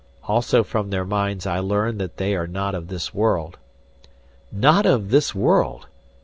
Also from their minds I learned that they are not of this world " "Not of this world!"